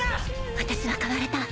私は変われた。